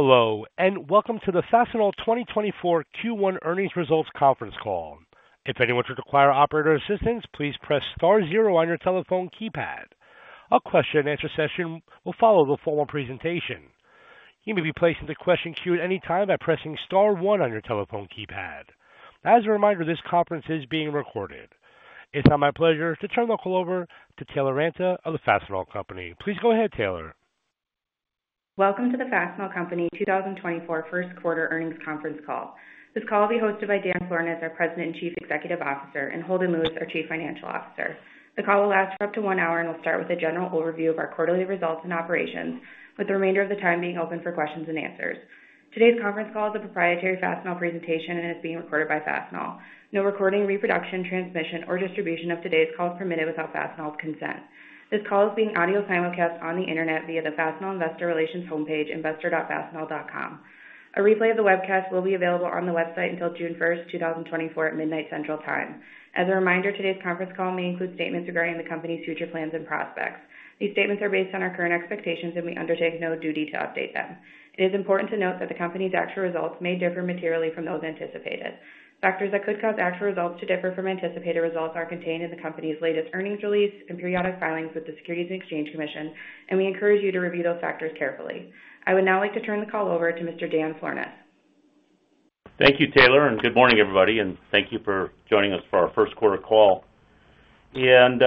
Hello and welcome to the Fastenal 2024 Q1 Earnings Results Conference Call. If anyone should require operator assistance, please press star zero on your telephone keypad. A question-and-answer session will follow the formal presentation. You may be placed into question queue at any time by pressing star one on your telephone keypad. As a reminder, this conference is being recorded. It's now my pleasure to turn the call over to Taylor Ranta of the Fastenal Company. Please go ahead, Taylor. Welcome to the Fastenal Company 2024 first quarter earnings conference call. This call will be hosted by Dan Florness, our President and Chief Executive Officer, and Holden Lewis, our Chief Financial Officer. The call will last for up to one hour and will start with a general overview of our quarterly results and operations, with the remainder of the time being open for questions and answers. Today's conference call is a proprietary Fastenal presentation and is being recorded by Fastenal. No recording, reproduction, transmission, or distribution of today's call is permitted without Fastenal's consent. This call is being audio simulcast on the internet via the Fastenal Investor Relations homepage, investor.fastenal.com. A replay of the webcast will be available on the website until June 1st, 2024, at midnight Central Time. As a reminder, today's conference call may include statements regarding the company's future plans and prospects. These statements are based on our current expectations and we undertake no duty to update them. It is important to note that the company's actual results may differ materially from those anticipated. Factors that could cause actual results to differ from anticipated results are contained in the company's latest earnings release and periodic filings with the Securities and Exchange Commission, and we encourage you to review those factors carefully. I would now like to turn the call over to Mr. Dan Florness. Thank you, Taylor, and good morning, everybody, and thank you for joining us for our first quarter call. And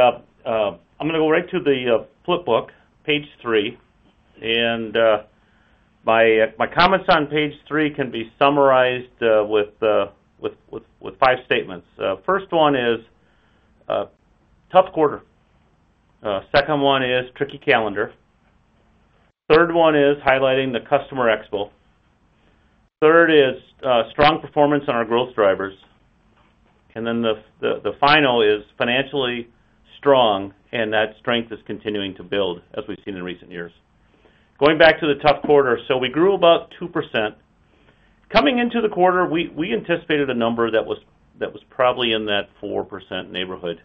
I'm gonna go right to the Flipbook, page three, and my comments on page three can be summarized with five statements. First one is tough quarter. Second one is tricky calendar. Third one is highlighting the Customer Expo. Third is strong performance on our growth drivers. And then the final is financially strong, and that strength is continuing to build as we've seen in recent years. Going back to the tough quarter, so we grew about 2%. Coming into the quarter, we anticipated a number that was probably in that 4% neighborhood.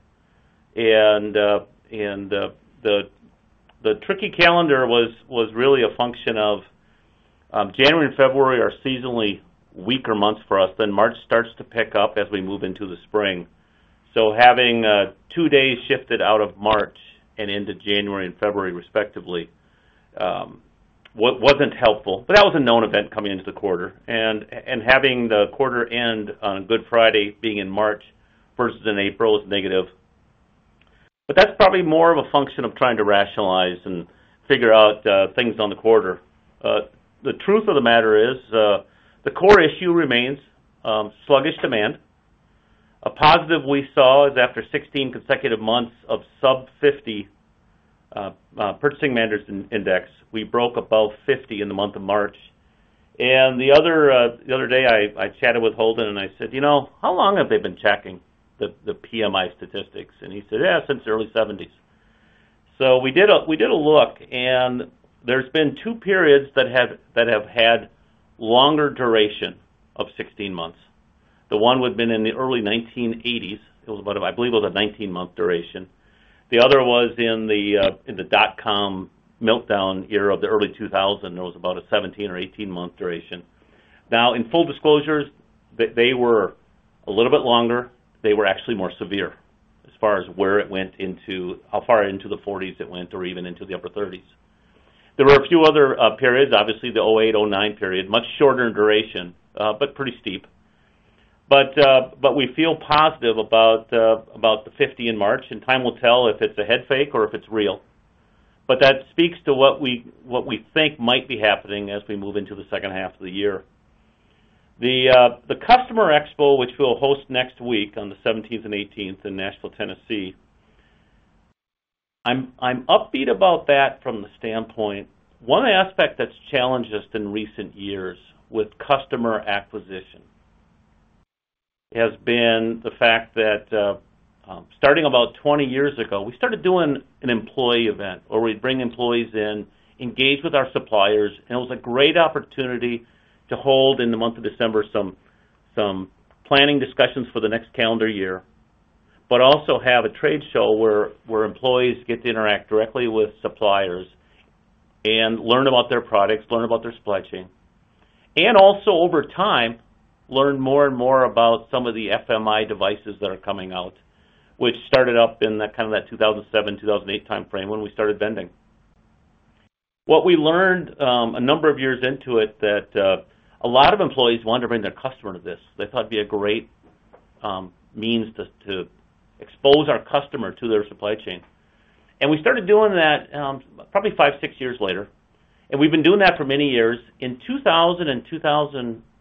And the tricky calendar was really a function of January and February are seasonally weaker months for us. Then March starts to pick up as we move into the spring. So having two days shifted out of March and into January and February, respectively, wasn't helpful, but that was a known event coming into the quarter. And having the quarter end on a Good Friday, being in March versus in April, is negative. But that's probably more of a function of trying to rationalize and figure out things on the quarter. The truth of the matter is, the core issue remains, sluggish demand. A positive we saw is after 16 consecutive months of sub-50 Purchasing Managers' Index, we broke above 50 in the month of March. The other day, I chatted with Holden, and I said, "You know, how long have they been checking the PMI statistics?" And he said, "Yeah, since the early 1970s." So we did a look, and there's been two periods that have had longer duration of 16 months. The one would've been in the early 1980s. It was about a, I believe it was a 19-month duration. The other was in the dot-com meltdown year of the early 2000. It was about a 17 or 18-month duration. Now, in full disclosure, they were a little bit longer. They were actually more severe as far as where it went into how far into the 40s it went or even into the upper 30s. There were a few other periods, obviously the 2008, 2009 period, much shorter in duration, but pretty steep. But we feel positive about the 50 in March, and time will tell if it's a headfake or if it's real. But that speaks to what we think might be happening as we move into the second half of the year. The Customer Expo, which we'll host next week on the 17th and 18th in Nashville, Tennessee, I'm upbeat about that from the standpoint, one aspect that's challenged us in recent years with customer acquisition has been the fact that, starting about 20 years ago, we started doing an employee event where we'd bring employees in, engage with our suppliers, and it was a great opportunity to hold in the month of December some planning discussions for the next calendar year, but also have a trade show where employees get to interact directly with suppliers and learn about their products, learn about their spec sheet, and also, over time, learn more and more about some of the FMI devices that are coming out, which started up in that kind of 2007, 2008 timeframe when we started vending. What we learned a number of years into it that a lot of employees wanted to bring their customer to this. They thought it'd be a great means to expose our customer to their supply chain. And we started doing that, probably five, six years later, and we've been doing that for many years. In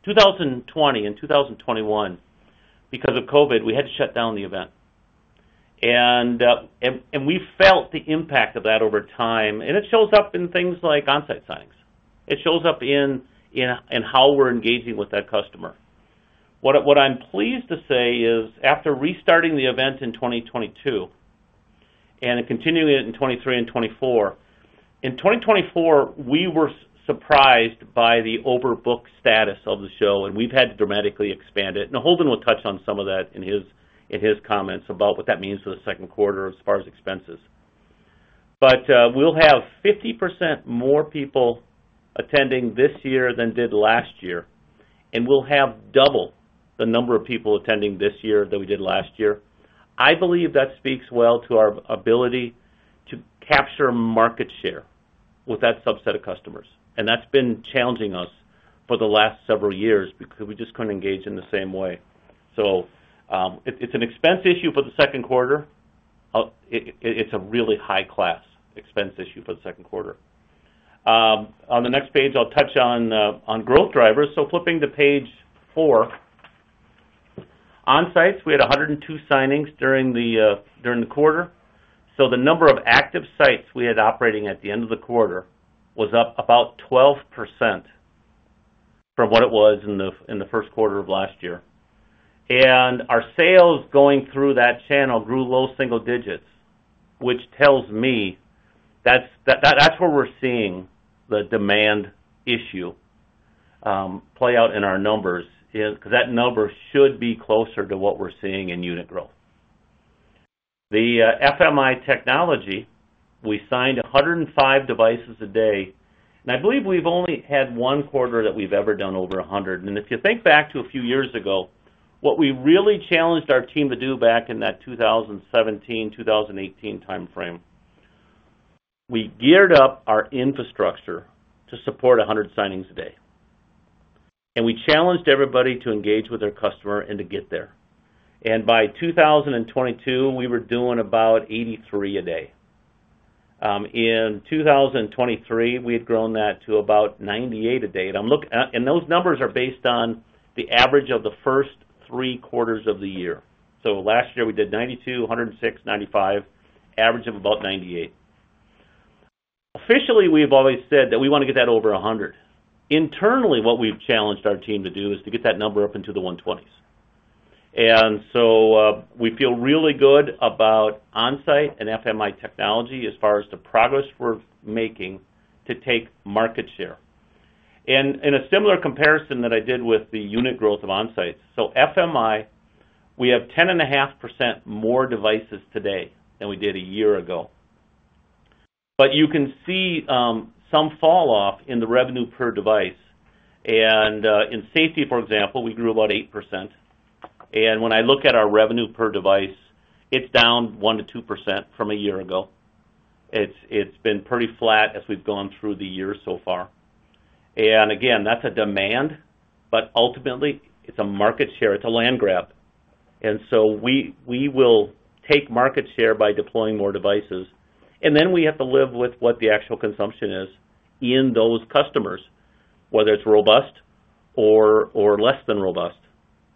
2020 and 2021, because of COVID, we had to shut down the event. And we felt the impact of that over time, and it shows up in things like Onsite signings. It shows up in how we're engaging with that customer. What I'm pleased to say is, after restarting the event in 2022 and continuing it in 2023 and 2024, in 2024, we were surprised by the overbook status of the show, and we've had to dramatically expand it. Holden will touch on some of that in his comments about what that means for the second quarter as far as expenses. But, we'll have 50% more people attending this year than did last year, and we'll have double the number of people attending this year than we did last year. I believe that speaks well to our ability to capture market share with that subset of customers, and that's been challenging us for the last several years because we just couldn't engage in the same way. So, it's an expense issue for the second quarter. It's a really high-class expense issue for the second quarter. On the next page, I'll touch on growth drivers. So flipping to page four, Onsite, we had 102 signings during the quarter. So the number of active sites we had operating at the end of the quarter was up about 12% from what it was in the first quarter of last year. And our sales going through that channel grew low single digits, which tells me that's that's where we're seeing the demand issue play out in our numbers, in 'cause that number should be closer to what we're seeing in unit growth. The FMI Technology, we signed 105 devices a day, and I believe we've only had one quarter that we've ever done over 100. And if you think back to a few years ago, what we really challenged our team to do back in that 2017, 2018 timeframe, we geared up our infrastructure to support 100 signings a day, and we challenged everybody to engage with their customer and to get there. And by 2022, we were doing about 83 a day. In 2023, we had grown that to about 98 a day, and I'm looking and those numbers are based on the average of the first three quarters of the year. So last year, we did 92, 106, 95, average of about 98. Officially, we've always said that we wanna get that over 100. Internally, what we've challenged our team to do is to get that number up into the 120s. And so, we feel really good about Onsite and FMI Technology as far as the progress we're making to take market share. And a similar comparison that I did with the unit growth of Onsites, so FMI, we have 10.5% more devices today than we did a year ago. But you can see, some falloff in the revenue per device. And in safety, for example, we grew about 8%. And when I look at our revenue per device, it's down 1%-2% from a year ago. It's, it's been pretty flat as we've gone through the year so far. And again, that's a demand, but ultimately, it's a market share. It's a land grab. And so we, we will take market share by deploying more devices, and then we have to live with what the actual consumption is in those customers, whether it's robust or, or less than robust.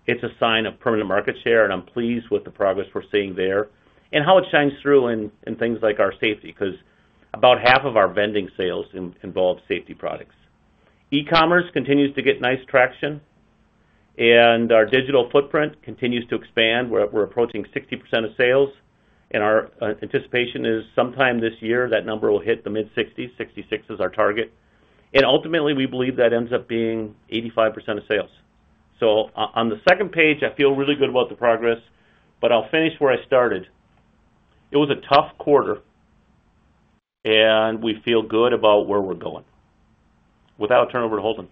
It's a sign of permanent market share, and I'm pleased with the progress we're seeing there and how it shines through in, in things like our safety 'cause about half of our vending sales involve safety products. E-commerce continues to get nice traction, and our digital footprint continues to expand. We're approaching 60% of sales, and our anticipation is sometime this year, that number will hit the mid-60s. 66 is our target. And ultimately, we believe that ends up being 85% of sales. So on the second page, I feel really good about the progress, but I'll finish where I started. It was a tough quarter, and we feel good about where we're going. With that, I'll turn it over to Holden.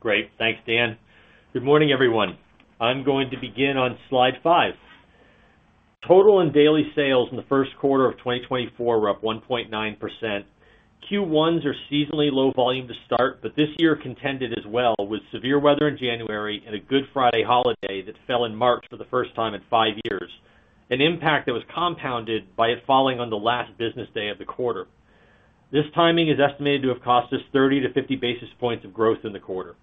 Great. Thanks, Dan. Good morning, everyone. I'm going to begin on slide five. Total and daily sales in the first quarter of 2024 were up 1.9%. Q1s are seasonally low volume to start, but this year contended as well, with severe weather in January and a Good Friday holiday that fell in March for the first time in five years, an impact that was compounded by it falling on the last business day of the quarter. This timing is estimated to have cost us 30-50 basis points of growth in the quarter.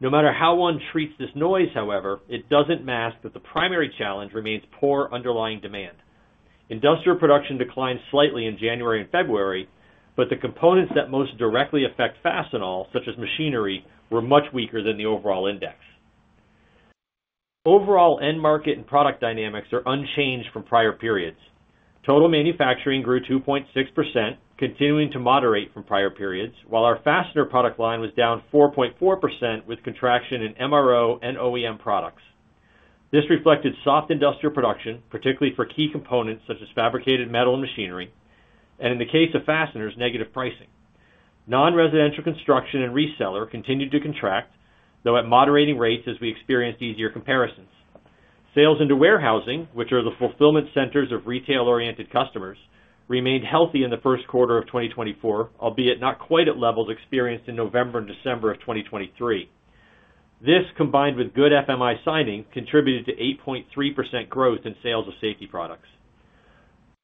No matter how one treats this noise, however, it doesn't mask that the primary challenge remains poor underlying demand. Industrial production declined slightly in January and February, but the components that most directly affect Fastenal, such as machinery, were much weaker than the overall index. Overall end market and product dynamics are unchanged from prior periods. Total manufacturing grew 2.6%, continuing to moderate from prior periods, while our fastener product line was down 4.4% with contraction in MRO and OEM products. This reflected soft industrial production, particularly for key components such as fabricated metal and machinery, and in the case of fasteners, negative pricing. Non-residential construction and reseller continued to contract, though at moderating rates as we experienced easier comparisons. Sales into warehousing, which are the fulfillment centers of retail-oriented customers, remained healthy in the first quarter of 2024, albeit not quite at levels experienced in November and December of 2023. This, combined with good FMI signing, contributed to 8.3% growth in sales of safety products.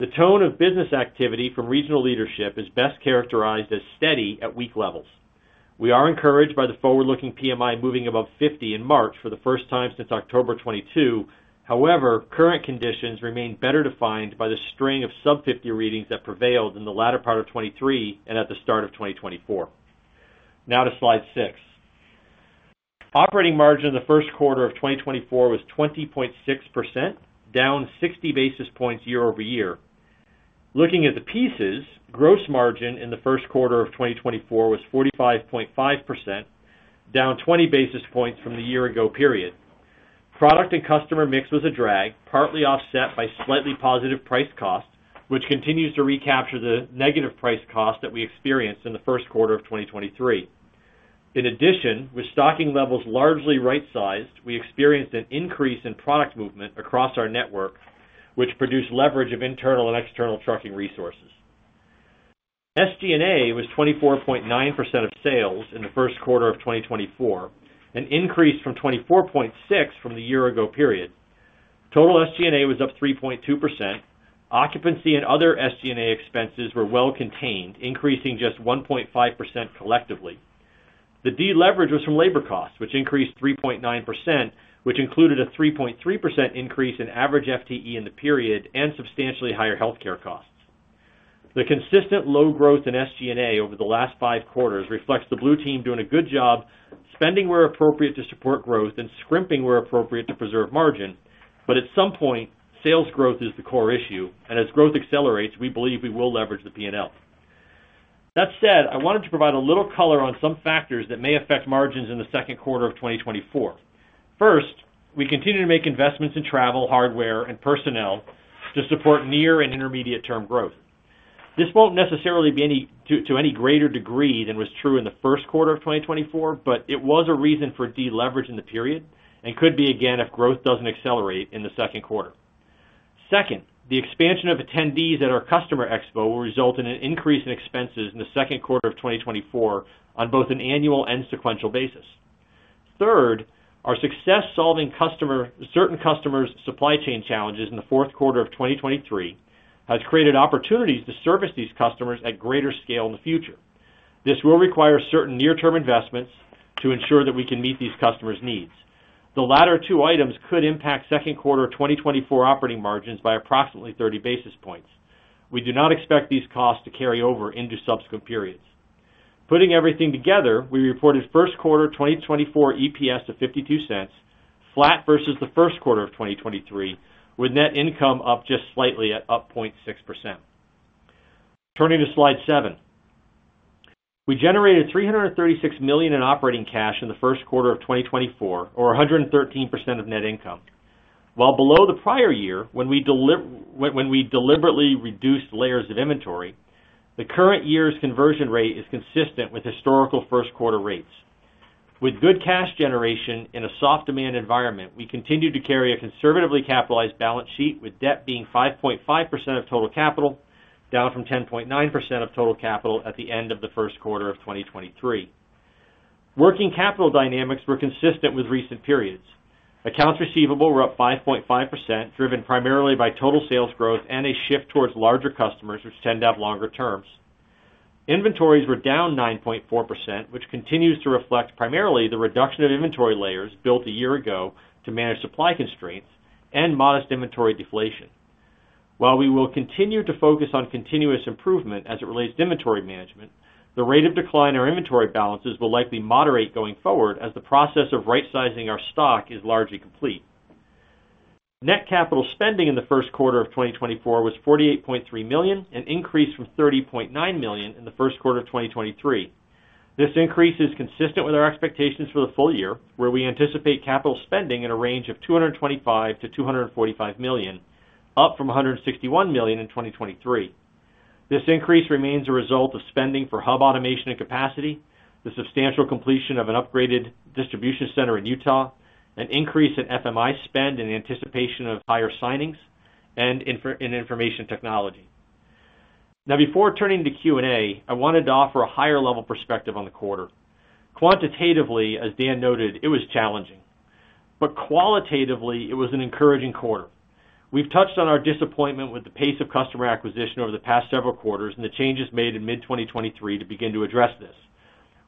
The tone of business activity from regional leadership is best characterized as steady at week levels. We are encouraged by the forward-looking PMI moving above 50 in March for the first time since October 2022. However, current conditions remain better defined by the string of sub-50 readings that prevailed in the latter part of 2023 and at the start of 2024. Now to slide six. Operating margin in the first quarter of 2024 was 20.6%, down 60 basis points year over year. Looking at the pieces, gross margin in the first quarter of 2024 was 45.5%, down 20 basis points from the year-ago period. Product and customer mix was a drag, partly offset by slightly positive price-cost, which continues to recapture the negative price-cost that we experienced in the first quarter of 2023. In addition, with stocking levels largely right-sized, we experienced an increase in product movement across our network, which produced leverage of internal and external trucking resources. SG&A was 24.9% of sales in the first quarter of 2024, an increase from 24.6% from the year-ago period. Total SG&A was up 3.2%. Occupancy and other SG&A expenses were well-contained, increasing just 1.5% collectively. The deleverage was from labor costs, which increased 3.9%, which included a 3.3% increase in average FTE in the period and substantially higher healthcare costs. The consistent low growth in SG&A over the last five quarters reflects the Blue Team doing a good job spending where appropriate to support growth and scrimping where appropriate to preserve margin. But at some point, sales growth is the core issue, and as growth accelerates, we believe we will leverage the P&L. That said, I wanted to provide a little color on some factors that may affect margins in the second quarter of 2024. First, we continue to make investments in travel, hardware, and personnel to support near and intermediate-term growth. This won't necessarily be any to any greater degree than was true in the first quarter of 2024, but it was a reason for deleverage in the period and could be again if growth doesn't accelerate in the second quarter. Second, the expansion of attendees at our Customer Expo will result in an increase in expenses in the second quarter of 2024 on both an annual and sequential basis. Third, our success solving certain customers' supply chain challenges in the fourth quarter of 2023 has created opportunities to service these customers at greater scale in the future. This will require certain near-term investments to ensure that we can meet these customers' needs. The latter two items could impact second quarter 2024 operating margins by approximately 30 basis points. We do not expect these costs to carry over into subsequent periods. Putting everything together, we reported first quarter 2024 EPS of $0.52, flat versus the first quarter of 2023, with net income up just slightly at up 0.6%. Turning to slide seven. We generated $336 million in operating cash in the first quarter of 2024, or 113% of net income. While below the prior year when we deliberately reduced layers of inventory, the current year's conversion rate is consistent with historical first-quarter rates. With good cash generation in a soft-demand environment, we continue to carry a conservatively capitalized balance sheet, with debt being 5.5% of total capital, down from 10.9% of total capital at the end of the first quarter of 2023. Working capital dynamics were consistent with recent periods. Accounts receivable were up 5.5%, driven primarily by total sales growth and a shift towards larger customers, which tend to have longer terms. Inventories were down 9.4%, which continues to reflect primarily the reduction of inventory layers built a year ago to manage supply constraints and modest inventory deflation. While we will continue to focus on continuous improvement as it relates to inventory management, the rate of decline in our inventory balances will likely moderate going forward as the process of right-sizing our stock is largely complete. Net capital spending in the first quarter of 2024 was $48.3 million, an increase from $30.9 million in the first quarter of 2023. This increase is consistent with our expectations for the full year, where we anticipate capital spending in a range of $225 million-$245 million, up from $161 million in 2023. This increase remains a result of spending for hub automation and capacity, the substantial completion of an upgraded distribution center in Utah, an increase in FMI spend in anticipation of higher signings, and investments in information technology. Now, before turning to Q&A, I wanted to offer a higher-level perspective on the quarter. Quantitatively, as Dan noted, it was challenging, but qualitatively, it was an encouraging quarter. We've touched on our disappointment with the pace of customer acquisition over the past several quarters and the changes made in mid-2023 to begin to address this.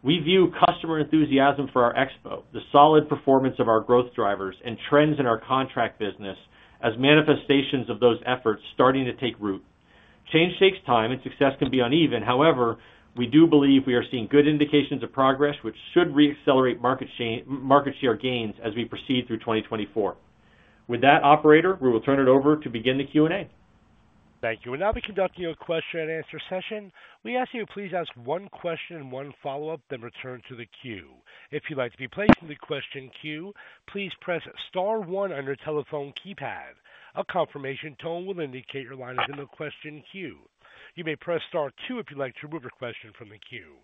We view customer enthusiasm for our expo, the solid performance of our growth drivers, and trends in our contract business as manifestations of those efforts starting to take root. Change takes time, and success can be uneven. However, we do believe we are seeing good indications of progress, which should reaccelerate market share gains as we proceed through 2024. With that, operator, we will turn it over to begin the Q&A. Thank you. We'll now be conducting a question-and-answer session. We ask you to please ask one question and one follow-up, then return to the queue. If you'd like to be placed in the question queue, please press star one on your telephone keypad. A confirmation tone will indicate your line is in the question queue. You may press star two if you'd like to remove your question from the queue.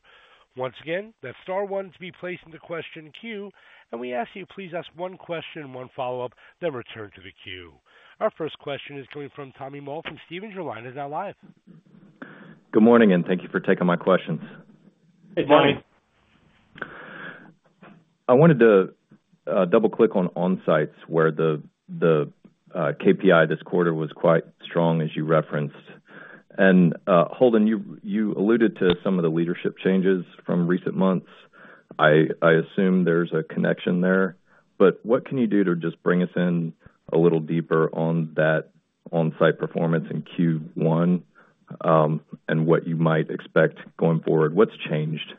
Once again, that's star one to be placed in the question queue, and we ask you to please ask one question and one follow-up, then return to the queue. Our first question is coming from Tommy Moll from Stephens. Your line is now live. Good morning, and thank you for taking my questions. Good morning. I wanted to double-click on Onsite, where the KPI this quarter was quite strong, as you referenced. Holden, you alluded to some of the leadership changes from recent months. I assume there's a connection there. What can you do to just bring us in a little deeper on that Onsite performance in Q1, and what you might expect going forward? What's changed?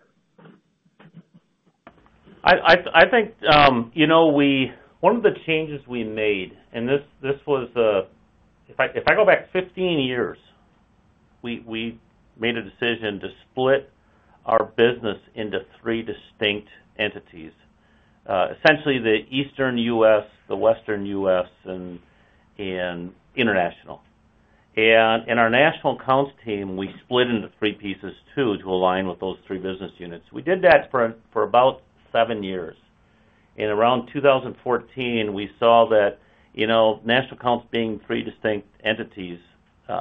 I think, you know, one of the changes we made and this was, if I go back 15 years, we made a decision to split our business into three distinct entities, essentially the Eastern U.S., the Western U.S., and international. And in our National Accounts team, we split into three pieces too to align with those three business units. We did that for and for about seven years. In around 2014, we saw that, you know, National Accounts being three distinct entities, it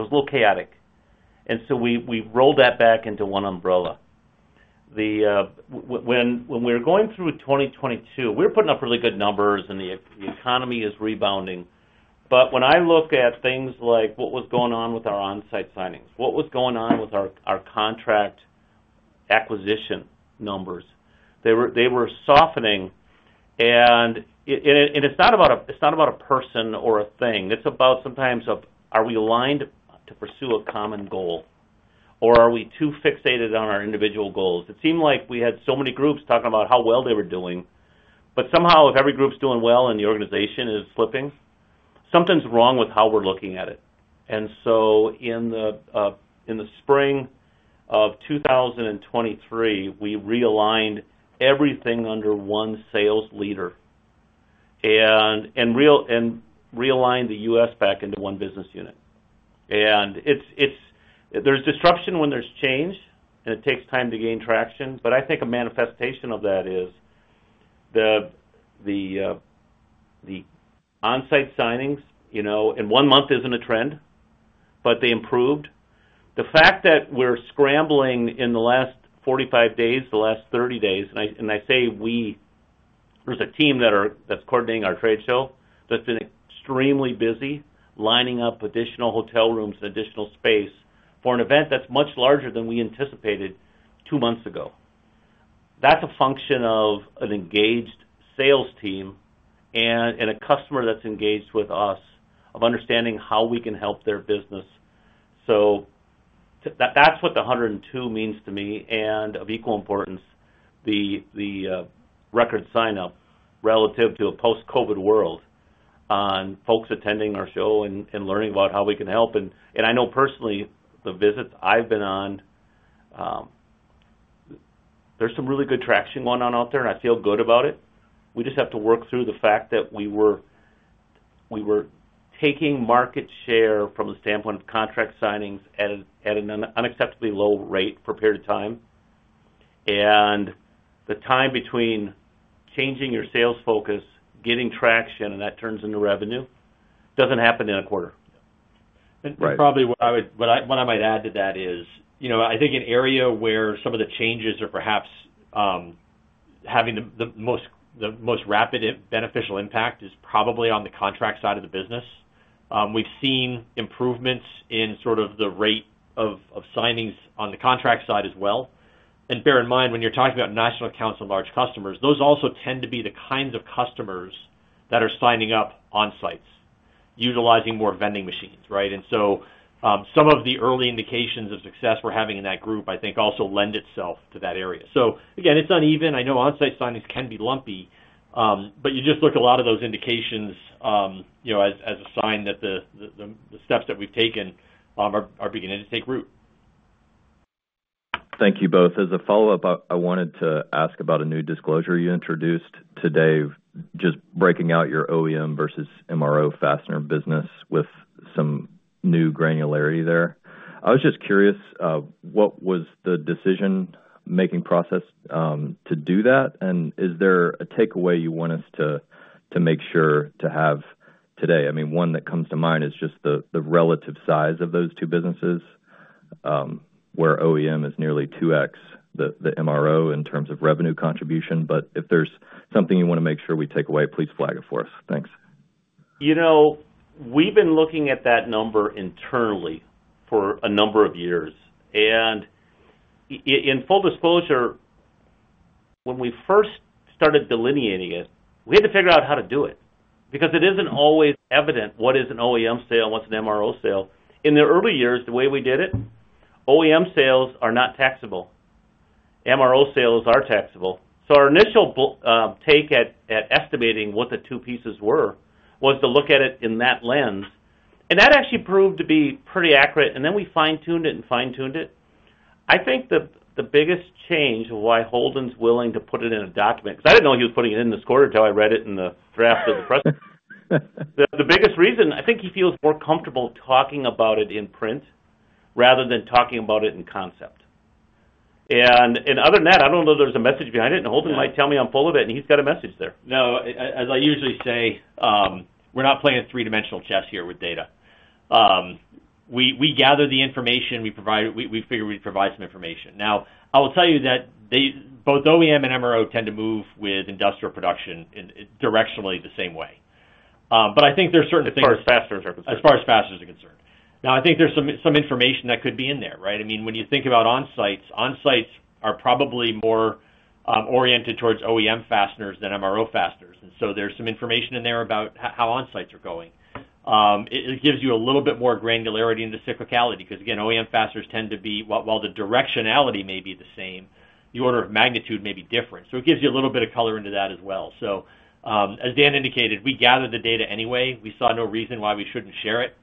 was a little chaotic. And so we rolled that back into one umbrella. When we were going through 2022, we were putting up really good numbers, and the economy is rebounding. But when I look at things like what was going on with our on-site signings, what was going on with our contract acquisition numbers, they were softening. And it's not about a person or a thing. It's about sometimes, are we aligned to pursue a common goal, or are we too fixated on our individual goals? It seemed like we had so many groups talking about how well they were doing, but somehow, if every group's doing well and the organization is slipping, something's wrong with how we're looking at it. And so in the spring of 2023, we realigned everything under one sales leader and realigned the U.S. back into one business unit. And there's disruption when there's change, and it takes time to gain traction. But I think a manifestation of that is the on-site signings, you know in one month isn't a trend, but they improved. The fact that we're scrambling in the last 45 days, the last 30 days and I say we, there's a team that's coordinating our trade show that's been extremely busy lining up additional hotel rooms and additional space for an event that's much larger than we anticipated two months ago. That's a function of an engaged sales team and a customer that's engaged with us of understanding how we can help their business. So that's what the 102 means to me and of equal importance, the record signup relative to a post-COVID world on folks attending our show and learning about how we can help. I know personally, the visits I've been on, there's some really good traction going on out there, and I feel good about it. We just have to work through the fact that we were taking market share from the standpoint of contract signings at an unacceptably low rate for a period of time. The time between changing your sales focus, getting traction, and that turns into revenue doesn't happen in a quarter. Right. Probably what I might add to that is, you know, I think an area where some of the changes are perhaps having the most rapid beneficial impact is probably on the contract side of the business. We've seen improvements in sort of the rate of signings on the contract side as well. Bear in mind, when you're talking about National Accounts and large customers, those also tend to be the kinds of customers that are signing up Onsite, utilizing more vending machines, right? So, some of the early indications of success we're having in that group, I think, also lend itself to that area. Again, it's uneven. I know Onsite signings can be lumpy, but you just look at a lot of those indications, you know, as a sign that the steps that we've taken are beginning to take root. Thank you both. As a follow-up, I wanted to ask about a new disclosure you introduced today, just breaking out your OEM versus MRO fastener business with some new granularity there. I was just curious, what was the decision-making process to do that? And is there a takeaway you want us to take away today? I mean, one that comes to mind is just the relative size of those two businesses, where OEM is nearly 2x the MRO in terms of revenue contribution. But if there's something you want to make sure we take away, please flag it for us. Thanks. You know, we've been looking at that number internally for a number of years. And in full disclosure, when we first started delineating it, we had to figure out how to do it because it isn't always evident what is an OEM sale and what's an MRO sale. In the early years, the way we did it, OEM sales are not taxable. MRO sales are taxable. So our initial take at estimating what the two pieces were was to look at it in that lens. And that actually proved to be pretty accurate. And then we fine-tuned it and fine-tuned it. I think the biggest change of why Holden's willing to put it in a document 'cause I didn't know he was putting it in this quarter till I read it in the draft of the press. The biggest reason, I think he feels more comfortable talking about it in print rather than talking about it in concept. And other than that, I don't know that there's a message behind it. And Holden might tell me on full event, and he's got a message there. No, as I usually say, we're not playing three-dimensional chess here with data. We gather the information. We provide. We figure we'd provide some information. Now, I will tell you that they both OEM and MRO tend to move with industrial production in directionally the same way. But I think there's certain things. As far as fasteners are concerned. As far as fasteners are concerned. Now, I think there's some information that could be in there, right? I mean, when you think about Onsites, Onsites are probably more oriented towards OEM fasteners than MRO fasteners. And so there's some information in there about how Onsites are going. It gives you a little bit more granularity and decyclicality 'cause, again, OEM fasteners tend to be while the directionality may be the same, the order of magnitude may be different. So it gives you a little bit of color into that as well. So, as Dan indicated, we gather the data anyway. We saw no reason why we shouldn't share it.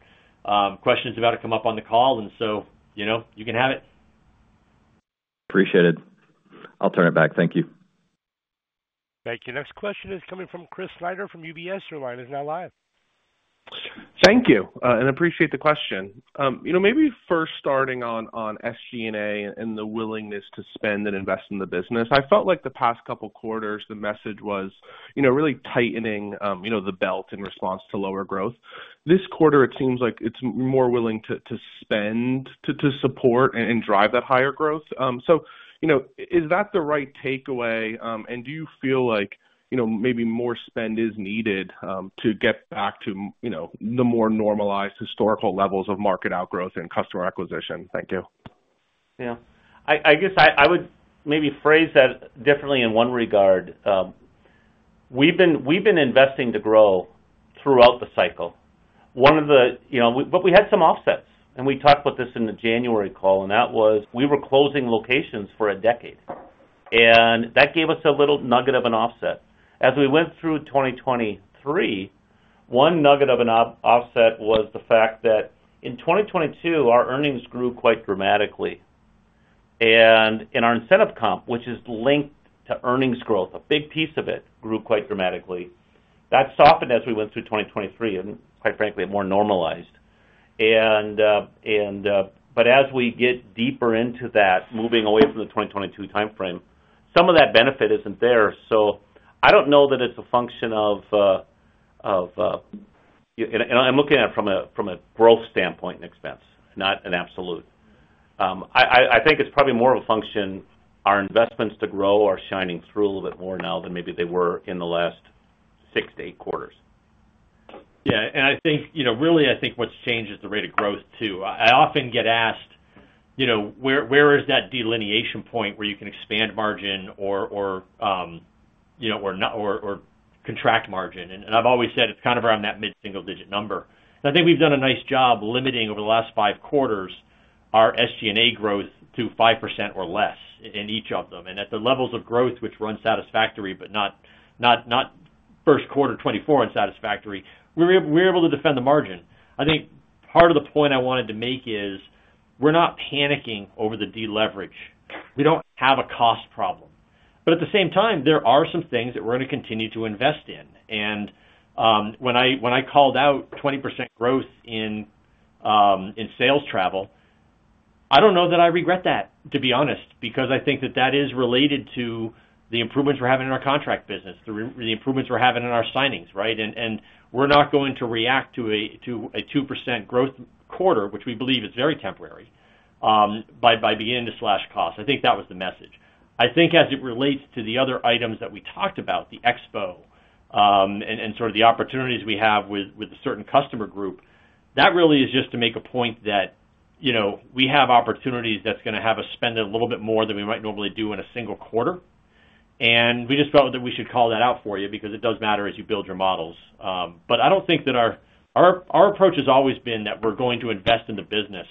Questions about it come up on the call, and so, you know, you can have it. Appreciate it. I'll turn it back. Thank you. Thank you. Next question is coming from Chris Snyder from UBS. The line is now live. Thank you, and appreciate the question. You know, maybe first starting on SG&A and the willingness to spend and invest in the business. I felt like the past couple quarters, the message was, you know, really tightening, you know, the belt in response to lower growth. This quarter, it seems like it's more willing to spend to support and drive that higher growth. So, you know, is that the right takeaway? And do you feel like, you know, maybe more spend is needed to get back to, you know, the more normalized historical levels of market outgrowth and customer acquisition? Thank you. Yeah. I guess I would maybe phrase that differently in one regard. We've been investing to grow throughout the cycle. One of the—you know—but we had some offsets. And we talked about this in the January call, and that was we were closing locations for a decade. And that gave us a little nugget of an offset. As we went through 2023, one nugget of an offset was the fact that in 2022, our earnings grew quite dramatically. And in our incentive comp, which is linked to earnings growth, a big piece of it grew quite dramatically. That softened as we went through 2023 and, quite frankly, it more normalized. But as we get deeper into that, moving away from the 2022 timeframe, some of that benefit isn't there. So I don't know that it's a function of, you know, and I'm looking at it from a growth standpoint and expense, not an absolute. I think it's probably more of a function our investments to grow are shining through a little bit more now than maybe they were in the last six to eight quarters. Yeah. And I think, you know, really, I think what's changed is the rate of growth too. I often get asked, you know, where is that delineation point where you can expand margin or, you know, or contract margin? And I've always said it's kind of around that mid-single-digit number. And I think we've done a nice job limiting over the last five quarters our SG&A growth to 5% or less in each of them. And at the levels of growth, which run satisfactory but not first quarter 2024 unsatisfactory, we're able to defend the margin. I think part of the point I wanted to make is we're not panicking over the deleverage. We don't have a cost problem. But at the same time, there are some things that we're going to continue to invest in. When I called out 20% growth in sales travel, I don't know that I regret that, to be honest, because I think that is related to the improvements we're having in our contract business, the improvements we're having in our signings, right? And we're not going to react to a 2% growth quarter, which we believe is very temporary, by beginning to slash costs. I think that was the message. I think as it relates to the other items that we talked about, the expo and sort of the opportunities we have with a certain customer group, that really is just to make a point that, you know, we have opportunities that's going to have us spend a little bit more than we might normally do in a single quarter. We just felt that we should call that out for you because it does matter as you build your models. But I don't think that our approach has always been that we're going to invest in the business,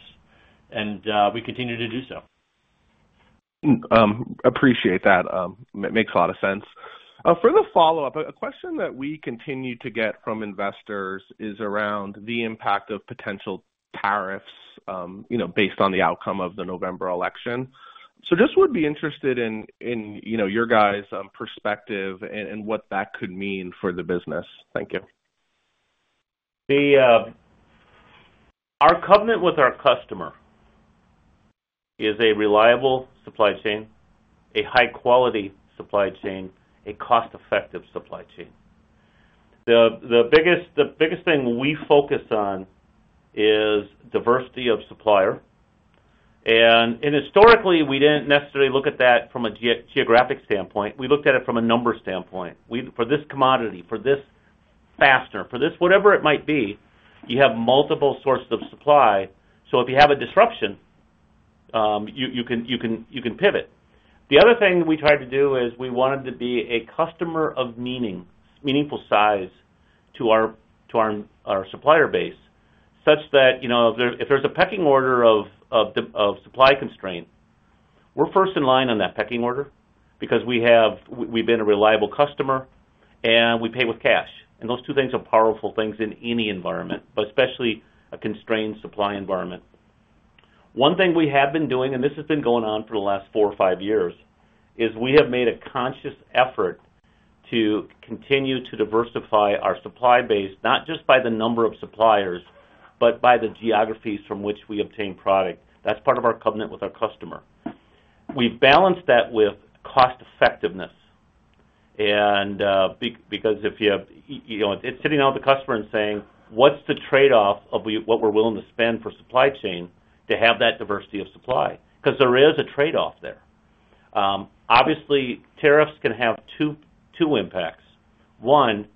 and we continue to do so. I think I appreciate that. Makes a lot of sense. For the follow-up, a question that we continue to get from investors is around the impact of potential tariffs, you know, based on the outcome of the November election. So just would be interested in, in, you know, your guys' perspective and what that could mean for the business. Thank you. Our covenant with our customer is a reliable supply chain, a high-quality supply chain, a cost-effective supply chain. The biggest thing we focus on is diversity of supplier. And historically, we didn't necessarily look at that from a geographic standpoint. We looked at it from a number standpoint. For this commodity, for this fastener, for this whatever it might be, you have multiple sources of supply. So if you have a disruption, you can pivot. The other thing we tried to do is we wanted to be a customer of meaningful size to our supplier base such that, you know, if there's a pecking order of the supply constraint, we're first in line on that pecking order because we've been a reliable customer, and we pay with cash. And those two things are powerful things in any environment, but especially a constrained supply environment. One thing we have been doing, and this has been going on for the last four or five years, is we have made a conscious effort to continue to diversify our supply base not just by the number of suppliers but by the geographies from which we obtain product. That's part of our covenant with our customer. We've balanced that with cost-effectiveness and, because if you have you know, it's sitting out with the customer and saying, "What's the trade-off of what we're willing to spend for supply chain to have that diversity of supply?" 'Cause there is a trade-off there. Obviously, tariffs can have two impacts. One,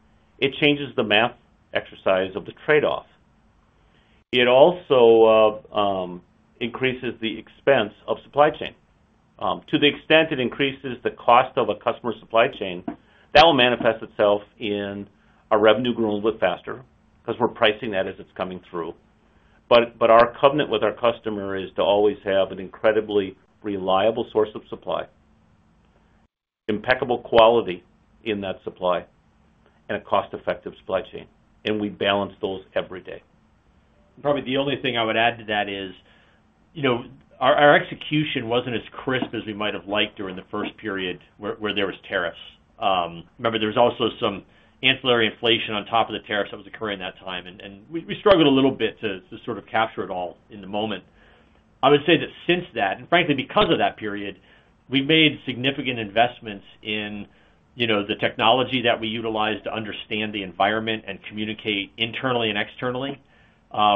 it changes the math exercise of the trade-off. It also increases the expense of supply chain. To the extent it increases the cost of a customer's supply chain, that will manifest itself in our revenue growing a little bit faster 'cause we're pricing that as it's coming through. But, but our covenant with our customer is to always have an incredibly reliable source of supply, impeccable quality in that supply, and a cost-effective supply chain. And we balance those every day. Probably the only thing I would add to that is, you know, our execution wasn't as crisp as we might have liked during the first period where there was tariffs. Remember, there was also some ancillary inflation on top of the tariffs that was occurring at that time. We struggled a little bit to sort of capture it all in the moment. I would say that since that and frankly, because of that period, we've made significant investments in, you know, the technology that we utilize to understand the environment and communicate internally and externally,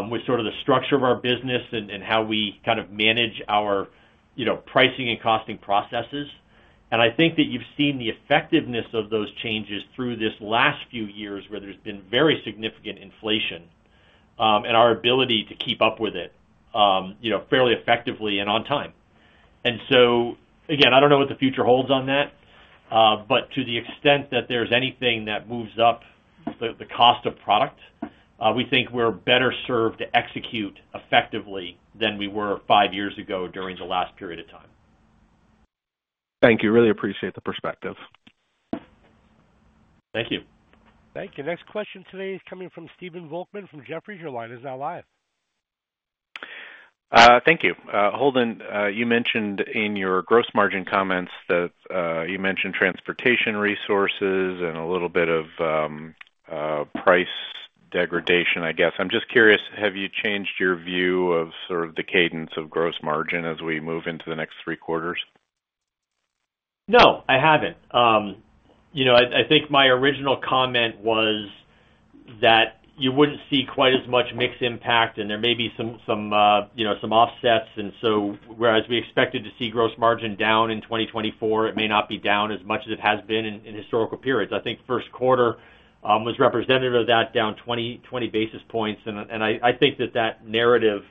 with sort of the structure of our business and how we kind of manage our, you know, pricing and costing processes. I think that you've seen the effectiveness of those changes through this last few years where there's been very significant inflation, and our ability to keep up with it, you know, fairly effectively and on time. So again, I don't know what the future holds on that, but to the extent that there's anything that moves up the cost of product, we think we're better served to execute effectively than we were five years ago during the last period of time. Thank you. Really appreciate the perspective. Thank you. Thank you. Next question today is coming from Stephen Volkmann from Jefferies. Your line is now live. Thank you. Holden, you mentioned in your gross margin comments that, you mentioned transportation resources and a little bit of, price degradation, I guess. I'm just curious, have you changed your view of sort of the cadence of gross margin as we move into the next three quarters? No, I haven't. You know, I think my original comment was that you wouldn't see quite as much mixed impact, and there may be some, you know, some offsets. And so whereas we expected to see Gross Margin down in 2024, it may not be down as much as it has been in historical periods. I think first quarter was representative of that, down 20 basis points. And I think that narrative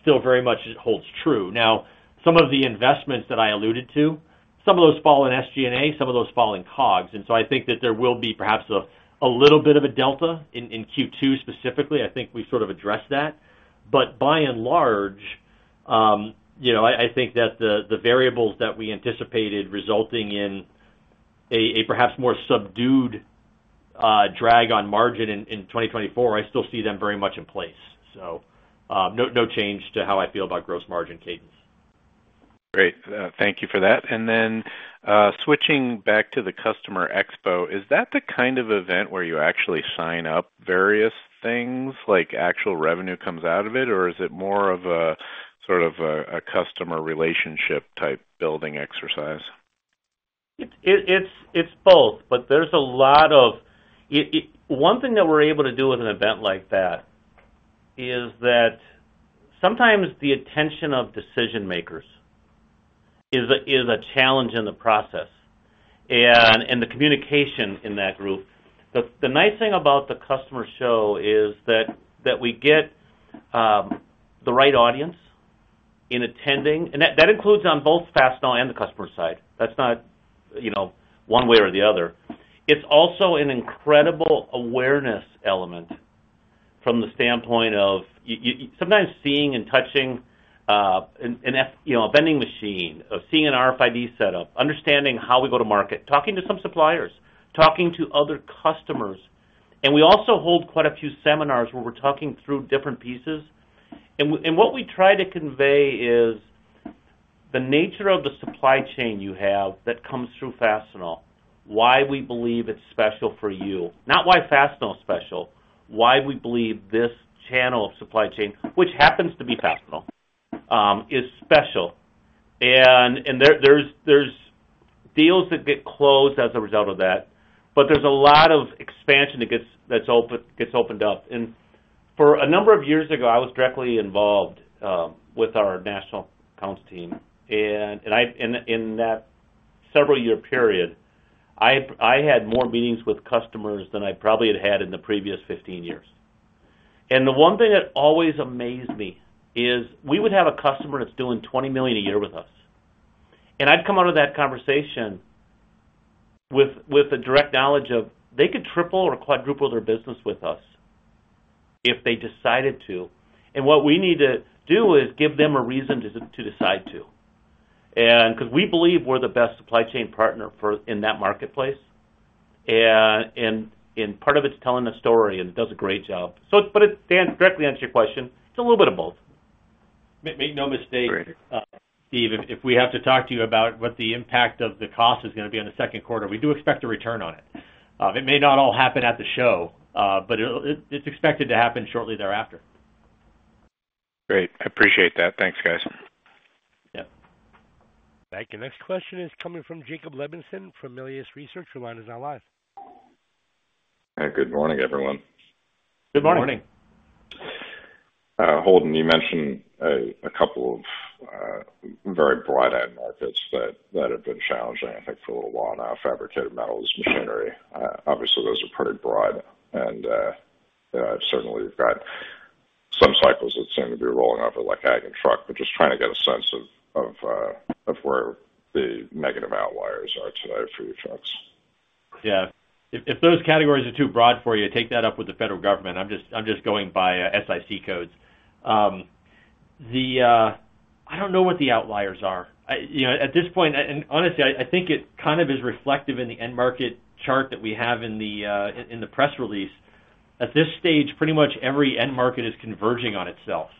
still very much holds true. Now, some of the investments that I alluded to, some of those fall in SG&A, some of those fall in COGS. And so I think that there will be perhaps a little bit of a delta in Q2 specifically. I think we've sort of addressed that. But by and large, you know, I think that the variables that we anticipated resulting in a perhaps more subdued drag on margin in 2024, I still see them very much in place. So, no, no change to how I feel about gross margin cadence. Great. Thank you for that. And then, switching back to the Customer Expo, is that the kind of event where you actually sign up various things, like actual revenue comes out of it, or is it more of a sort of a customer relationship type building exercise? It's both, but there's a lot of one thing that we're able to do with an event like that is that sometimes the attention of decision-makers is a challenge in the process and the communication in that group. The nice thing about the customer show is that we get the right audience in attending. And that includes on both Fastenal and the customer side. That's not, you know, one way or the other. It's also an incredible awareness element from the standpoint of you sometimes seeing and touching an FMI, you know, a vending machine, of seeing an RFID setup, understanding how we go to market, talking to some suppliers, talking to other customers. And we also hold quite a few seminars where we're talking through different pieces. And what we try to convey is the nature of the supply chain you have that comes through Fastenal, why we believe it's special for you. Not why Fastenal's special, why we believe this channel of supply chain which happens to be Fastenal, is special. And there, there's deals that get closed as a result of that, but there's a lot of expansion that gets opened up. And a number of years ago, I was directly involved with our National Accounts team. And in that several-year period, I had more meetings with customers than I probably had had in the previous 15 years. And the one thing that always amazed me is we would have a customer that's doing $20 million a year with us. I'd come out of that conversation with a direct knowledge that they could triple or quadruple their business with us if they decided to. What we need to do is give them a reason to decide to and 'cause we believe we're the best supply chain partner for them in that marketplace. And part of it's telling a story, and it does a great job. So, but it stands to directly answer your question. It's a little bit of both. Make no mistake, Steve, if we have to talk to you about what the impact of the cost is going to be on the second quarter, we do expect a return on it. It may not all happen at the show, but it'll it's expected to happen shortly thereafter. Great. Appreciate that. Thanks, guys. Yep. Thank you. Next question is coming from Jacob Levinson from Melius Research. Your line is now live. Good morning, everyone. Good morning. Morning. Holden, you mentioned a couple of very broad-end markets that have been challenging, I think, for a little while now, fabricated metals, machinery. Obviously, those are pretty broad. And certainly, you've got some cycles that seem to be rolling over like Ag and Truck, but just trying to get a sense of where the negative outliers are today for you folks. Yeah. If those categories are too broad for you, take that up with the federal government. I'm just going by SIC codes. I don't know what the outliers are. You know, at this point, I honestly think it kind of is reflective in the end market chart that we have in the press release. At this stage, pretty much every end market is converging on itself.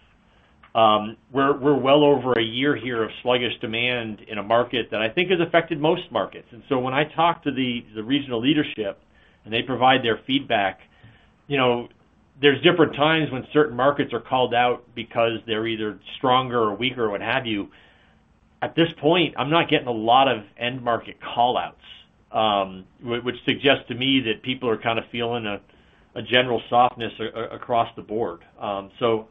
We're well over a year here of sluggish demand in a market that I think has affected most markets. And so when I talk to the regional leadership, and they provide their feedback, you know, there's different times when certain markets are called out because they're either stronger or weaker or what have you. At this point, I'm not getting a lot of end market callouts, which suggests to me that people are kind of feeling a general softness across the board. So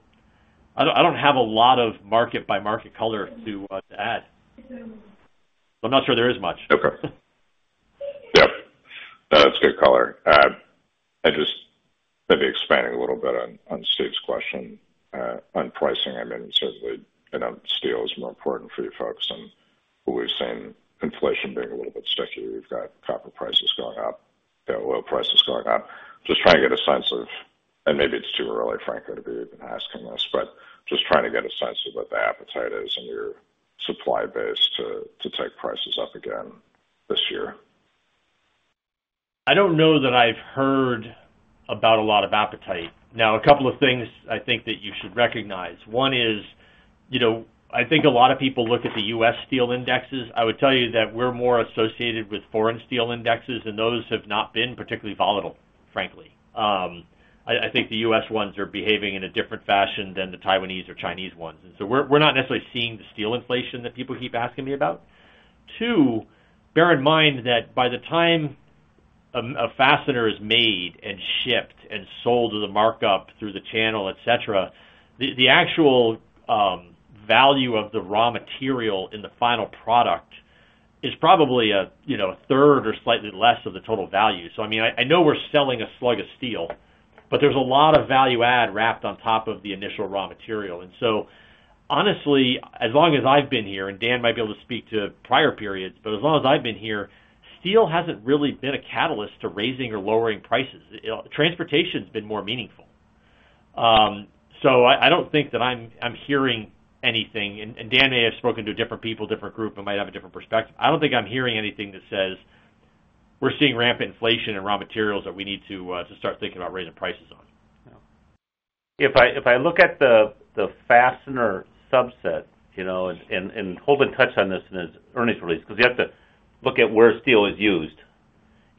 I don't have a lot of market-by-market color to add. So I'm not sure there is much. Okay. Yep. That's good color. I just maybe expanding a little bit on, on Steve's question, on pricing. I mean, certainly, I know steel is more important for you folks. And we've seen inflation being a little bit sticky. We've got copper prices going up, you know, oil prices going up. Just trying to get a sense of and maybe it's too early, frankly, to be even asking this, but just trying to get a sense of what the appetite is in your supply base to, to take prices up again this year. I don't know that I've heard about a lot of appetite. Now, a couple of things I think that you should recognize. One is, you know, I think a lot of people look at the U.S. steel indexes. I would tell you that we're more associated with foreign steel indexes, and those have not been particularly volatile, frankly. I think the U.S. ones are behaving in a different fashion than the Taiwanese or Chinese ones. And so we're not necessarily seeing the steel inflation that people keep asking me about. Two, bear in mind that by the time a fastener is made and shipped and sold to the markup through the channel, etc., the actual value of the raw material in the final product is probably a, you know, a third or slightly less of the total value. So, I mean, I, I know we're selling a slug of steel, but there's a lot of value add wrapped on top of the initial raw material. And so honestly, as long as I've been here and Dan might be able to speak to prior periods, but as long as I've been here, steel hasn't really been a catalyst to raising or lowering prices. It transportation's been more meaningful. So I, I don't think that I'm, I'm hearing anything. And, and Dan may have spoken to different people, different group, and might have a different perspective. I don't think I'm hearing anything that says, "We're seeing rampant inflation in raw materials that we need to, to start thinking about raising prices on. Yeah. If I look at the fastener subset, you know, and Holden will touch on this in his earnings release 'cause you have to look at where steel is used.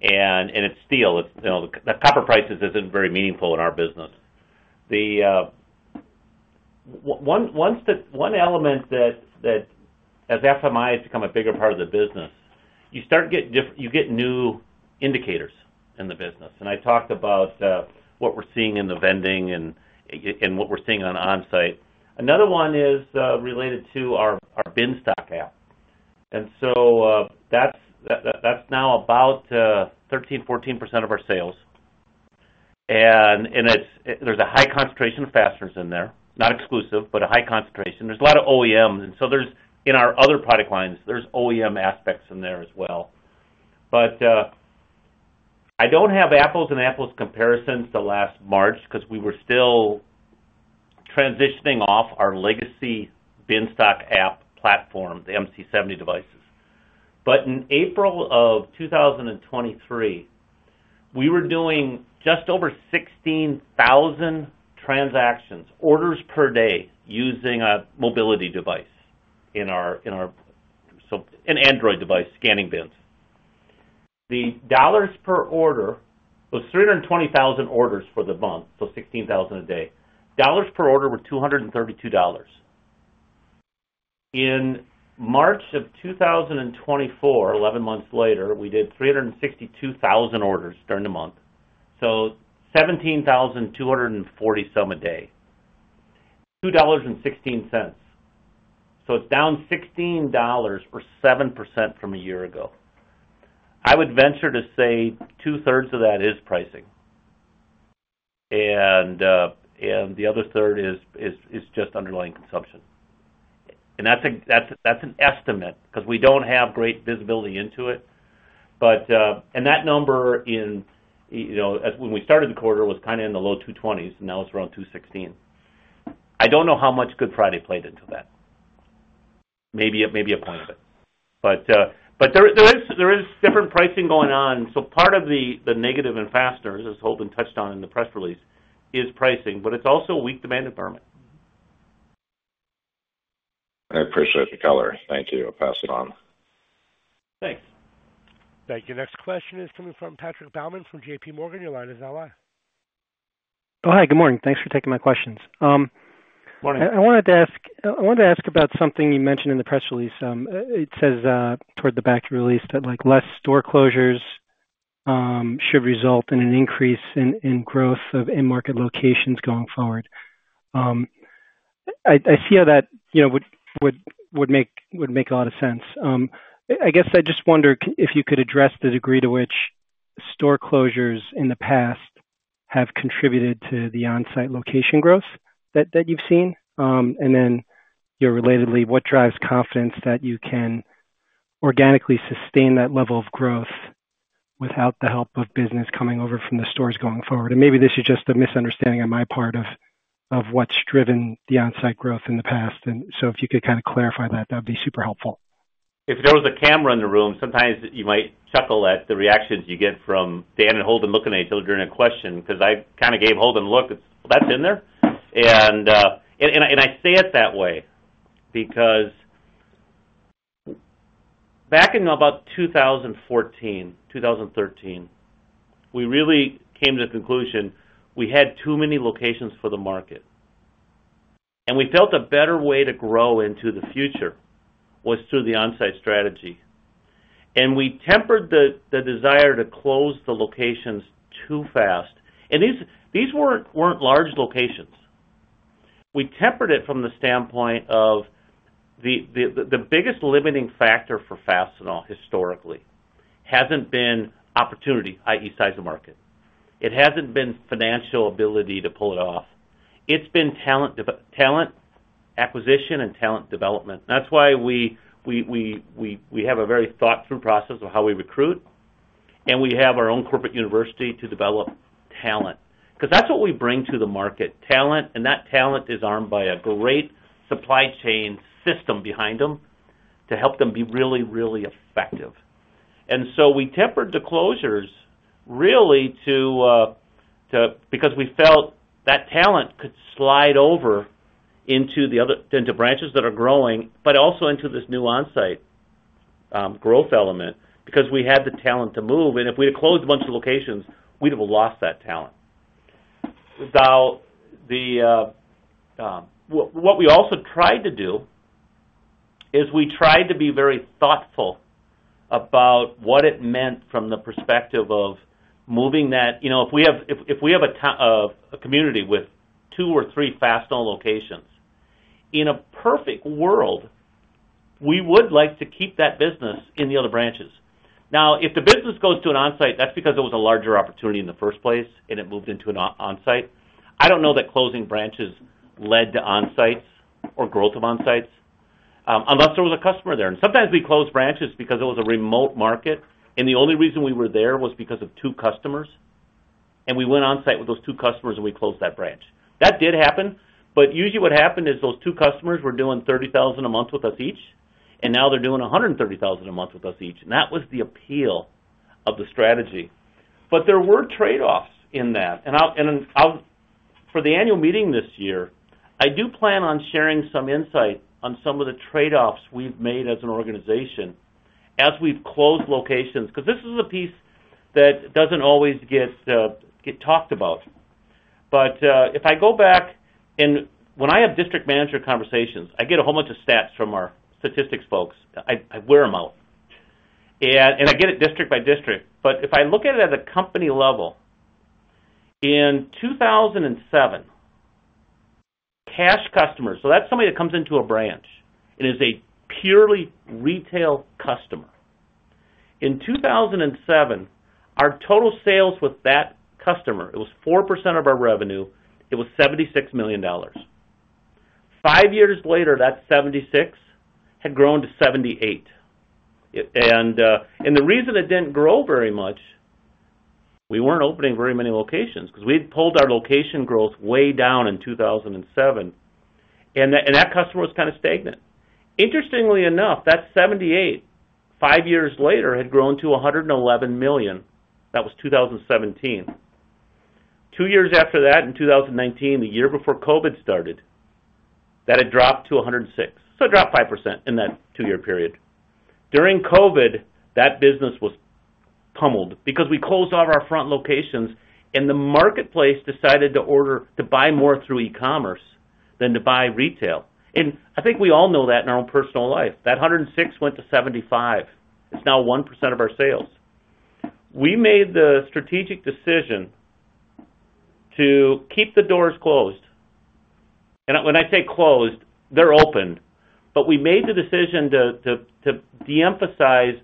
And it's steel. It's, you know, the copper prices isn't very meaningful in our business. The one other element that as FMI has become a bigger part of the business, you get new indicators in the business. And I talked about what we're seeing in the vending and what we're seeing on Onsite. Another one is related to our bin stock app. And so that's now about 13%-14% of our sales. And it's there's a high concentration of fasteners in there, not exclusive, but a high concentration. There's a lot of OEMs. And so there's in our other product lines, there's OEM aspects in there as well. But I don't have apples-to-apples comparisons to last March 'cause we were still transitioning off our legacy bin stock app platform, the MC70 devices. But in April of 2023, we were doing just over 16,000 transactions, orders per day, using a mobility device in our Onsite, so an Android device, scanning bins. The dollars per order was 320,000 orders for the month, so 16,000 a day. Dollars per order were $232. In March of 2024, 11 months later, we did 362,000 orders during the month, so 17,240 some a day, $216. So it's down $16 or 7% from a year ago. I would venture to say 2/3 of that is pricing. And the other third is just underlying consumption. That's an estimate 'cause we don't have great visibility into it. But that number in, you know, as when we started the quarter, was kind of in the low 220s, and now it's around 216. I don't know how much Good Friday played into that. Maybe a point of it. But there is different pricing going on. So part of the negative in fasteners, as Holden touched on in the press release, is pricing, but it's also a weak demand environment. I appreciate the color. Thank you. I'll pass it on. Thanks. Thank you. Next question is coming from Patrick Baumann from JPMorgan. Your line is now live. Oh, hi. Good morning. Thanks for taking my questions. Morning. I wanted to ask about something you mentioned in the press release. It says, toward the back of your release that, like, less store closures, should result in an increase in growth of end market locations going forward. I see how that, you know, would make a lot of sense. I guess I just wondered if you could address the degree to which store closures in the past have contributed to the Onsite location growth that you've seen. And then, you know, relatedly, what drives confidence that you can organically sustain that level of growth without the help of business coming over from the stores going forward? And maybe this is just a misunderstanding on my part of what's driven the Onsite growth in the past. If you could kind of clarify that, that would be super helpful. If there was a camera in the room, sometimes you might chuckle at the reactions you get from Dan and Holden looking at each other during a question 'cause I kind of gave Holden a look. It's, "Well, that's in there." And I say it that way because back in about 2014, 2013, we really came to the conclusion we had too many locations for the market. And we felt a better way to grow into the future was through the Onsite strategy. And we tempered the desire to close the locations too fast. And these weren't large locations. We tempered it from the standpoint of the biggest limiting factor for Fastenal historically hasn't been opportunity, i.e., size of market. It hasn't been financial ability to pull it off. It's been talent development, talent acquisition, and talent development. And that's why we have a very thought-through process of how we recruit. And we have our own corporate university to develop talent 'cause that's what we bring to the market, talent. And that talent is armed by a great supply chain system behind them to help them be really, really effective. And so we tempered the closures really to because we felt that talent could slide over into the other branches that are growing but also into this new Onsite growth element because we had the talent to move. And if we had closed a bunch of locations, we'd have lost that talent. Now, what we also tried to do is we tried to be very thoughtful about what it meant from the perspective of moving that, you know, if we have a tie to a community with two or three Fastenal locations, in a perfect world, we would like to keep that business in the other branches. Now, if the business goes to an Onsite, that's because it was a larger opportunity in the first place, and it moved into an Onsite. I don't know that closing branches led to Onsites or growth of Onsites, unless there was a customer there. And sometimes we closed branches because it was a remote market. And the only reason we were there was because of two customers. And we went Onsite with those two customers, and we closed that branch. That did happen. But usually, what happened is those two customers were doing 30,000 a month with us each, and now they're doing 130,000 a month with us each. And that was the appeal of the strategy. But there were trade-offs in that. And I'll for the annual meeting this year, I do plan on sharing some insight on some of the trade-offs we've made as an organization as we've closed locations 'cause this is a piece that doesn't always get talked about. But if I go back in when I have district manager conversations, I get a whole bunch of stats from our statistics folks. I wear them out. And I get it district by district. But if I look at it at a company level, in 2007, cash customers so that's somebody that comes into a branch and is a purely retail customer. In 2007, our total sales with that customer it was 4% of our revenue. It was $76 million. Five years later, that $76 million had grown to $78 million. I, and the reason it didn't grow very much, we weren't opening very many locations 'cause we had pulled our location growth way down in 2007. That customer was kind of stagnant. Interestingly enough, that $78 million, five years later, had grown to $111 million. That was 2017. Two years after that, in 2019, the year before COVID started, that had dropped to $106 million. It dropped 5% in that two-year period. During COVID, that business was pummeled because we closed off our front locations, and the marketplace decided to order to buy more through e-commerce than to buy retail. I think we all know that in our own personal life. That $106 million went to $75 million. It's now 1% of our sales. We made the strategic decision to keep the doors closed. And when I say closed, they're open. But we made the decision to deemphasize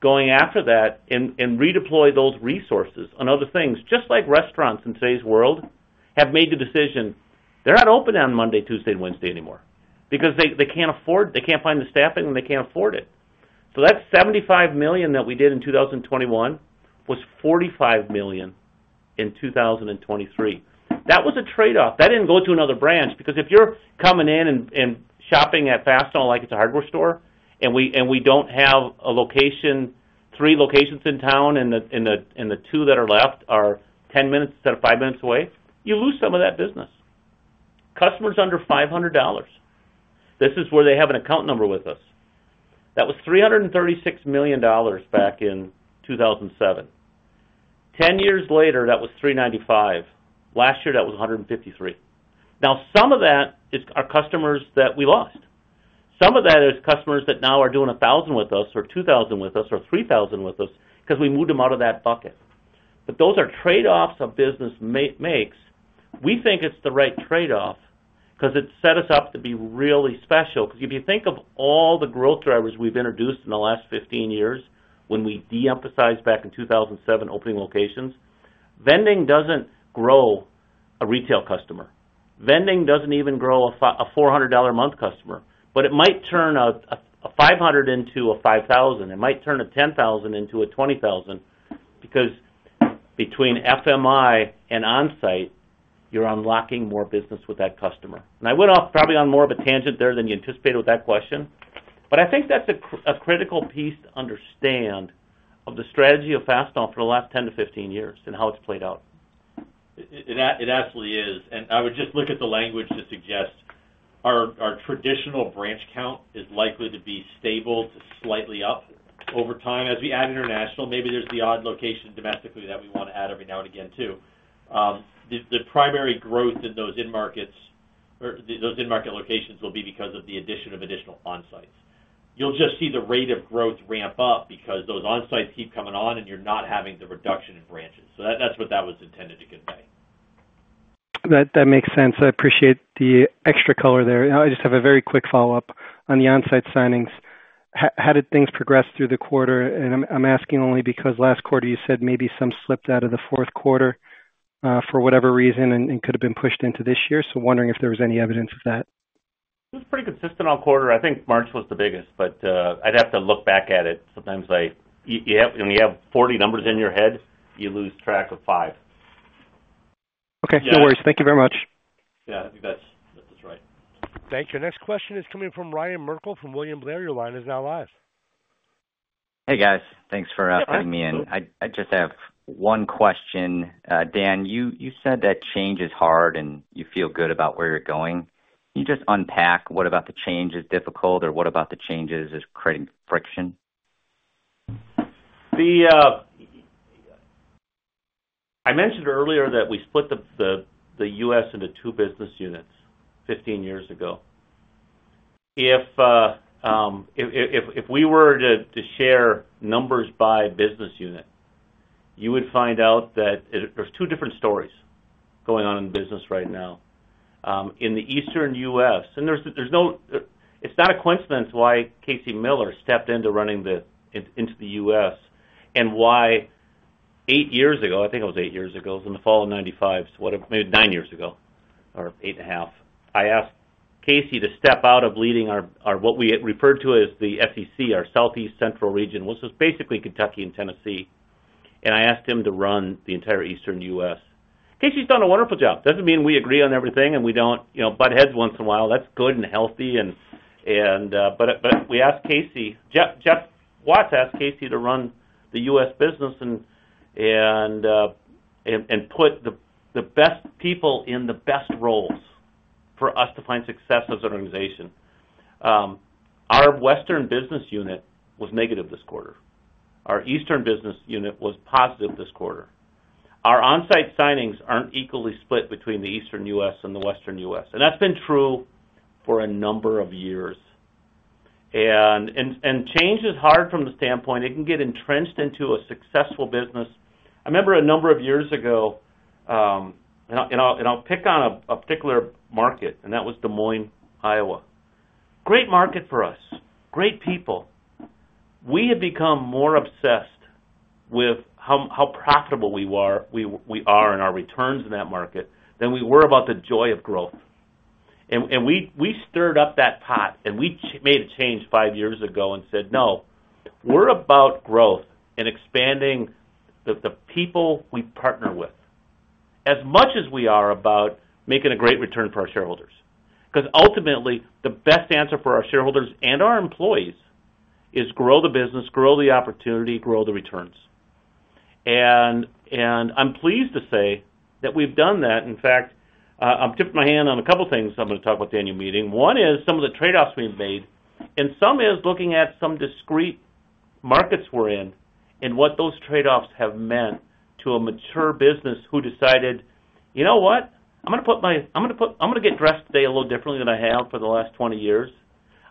going after that and redeploy those resources on other things, just like restaurants in today's world have made the decision they're not open on Monday, Tuesday, and Wednesday anymore because they can't afford it, they can't find the staffing, and they can't afford it. So that $75 million that we did in 2021 was $45 million in 2023. That was a trade-off. That didn't go to another branch because if you're coming in and shopping at Fastenal like it's a hardware store, and we don't have three locations in town, and the two that are left are 10 minutes instead of five minutes away, you lose some of that business. Customers under $500. This is where they have an account number with us. That was $336 million back in 2007. Ten years later, that was $395 million. Last year, that was $153 million. Now, some of that is our customers that we lost. Some of that is customers that now are doing $1,000 with us or $2,000 with us or $3,000 with us 'cause we moved them out of that bucket. But those are trade-offs a business makes. We think it's the right trade-off 'cause it set us up to be really special. 'Cause if you think of all the growth drivers we've introduced in the last 15 years when we deemphasized back in 2007 opening locations, vending doesn't grow a retail customer. Vending doesn't even grow a for a $400-a-month customer. But it might turn a $500 into a $5,000. It might turn a $10,000 into a $20,000 because between FMI and Onsite, you're unlocking more business with that customer. And I went off probably on more of a tangent there than you anticipated with that question. But I think that's a critical piece to understand of the strategy of Fastenal for the last 10 to 15 years and how it's played out. It absolutely is. And I would just look at the language to suggest our traditional branch count is likely to be stable to slightly up over time. As we add international, maybe there's the odd location domestically that we wanna add every now and again too. The primary growth in those in-markets or those in-market locations will be because of the addition of additional Onsites. You'll just see the rate of growth ramp up because those Onsites keep coming on, and you're not having the reduction in branches. So that's what that was intended to convey. That, that makes sense. I appreciate the extra color there. I just have a very quick follow-up on the Onsite signings. How did things progress through the quarter? And I'm asking only because last quarter, you said maybe some slipped out of the fourth quarter, for whatever reason, and could have been pushed into this year. So wondering if there was any evidence of that. It was pretty consistent all quarter. I think March was the biggest. I'd have to look back at it. Sometimes you have when you have 40 numbers in your head, you lose track of five. Okay. No worries. Thank you very much. Yeah. I think that's, that's right. Thank you. Next question is coming from Ryan Merkel from William Blair. Your line is now live. Hey, guys. Thanks for putting me in. I just have one question. Dan, you said that change is hard, and you feel good about where you're going. Can you just unpack what about the change is difficult, or what about the change is creating friction? I mentioned earlier that we split the U.S. into two business units 15 years ago. If we were to share numbers by business unit, you would find out that there's two different stories going on in business right now in the Eastern U.S. and there's no it's not a coincidence why Casey Miller stepped into running into the U.S. and why eight years ago I think it was eight years ago. It was in the fall of 1995. So what, maybe nine years ago or 8.5. I asked Casey to step out of leading our what we referred to as the SEC, our Southeast Central Region, which was basically Kentucky and Tennessee. And I asked him to run the entire Eastern U.S. Casey's done a wonderful job. Doesn't mean we agree on everything, and we don't, you know, butt heads once in a while. That's good and healthy, but we asked Casey. Jeff Watts asked Casey to run the U.S. business and put the best people in the best roles for us to find success as an organization. Our Western business unit was negative this quarter. Our Eastern business unit was positive this quarter. Our Onsite signings aren't equally split between the Eastern U.S. and the Western U.S. That's been true for a number of years. Change is hard from the standpoint it can get entrenched into a successful business. I remember a number of years ago, and I'll pick on a particular market, and that was Des Moines, Iowa. Great market for us. Great people. We had become more obsessed with how profitable we are and our returns in that market than we were about the joy of growth. And we stirred up that pot, and we made a change five years ago and said, "No. We're about growth and expanding the people we partner with as much as we are about making a great return for our shareholders." 'Cause ultimately, the best answer for our shareholders and our employees is grow the business, grow the opportunity, grow the returns. And I'm pleased to say that we've done that. In fact, I'm tipping my hand on a couple of things I'm gonna talk about at the annual meeting. One is some of the trade-offs we've made, and some is looking at some discrete markets we're in and what those trade-offs have meant to a mature business who decided, "You know what? I'm gonna get dressed today a little differently than I have for the last 20 years.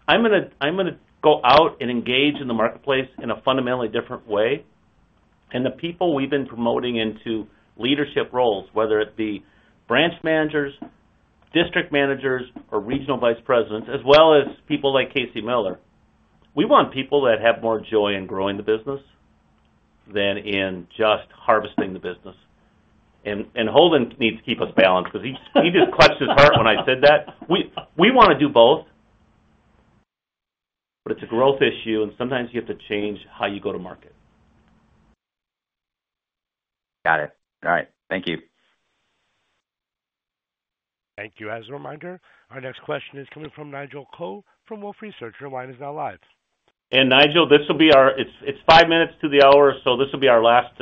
I'm gonna go out and engage in the marketplace in a fundamentally different way." And the people we've been promoting into leadership roles, whether it be branch managers, district managers, or regional vice presidents, as well as people like Casey Miller, we want people that have more joy in growing the business than in just harvesting the business. And Holden needs to keep us balanced 'cause he just clutched his heart when I said that. We wanna do both. But it's a growth issue, and sometimes you have to change how you go to market. Got it. All right. Thank you. Thank you. As a reminder, our next question is coming from Nigel Coe from Wolfe Research. Your line is now live. Nigel, this will be our last. It's five minutes to the hour. So this will be our last